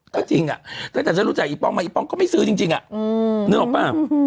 ครับก็จริงอ่ะในตั้งแต่ฉันรู้จักอี๊ปอล์มาอี้ปอล์ก็ไม่ซื้อจริงอ่ะ